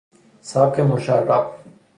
سبک مشرب